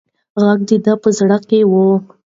غږ د ده په زړه کې و.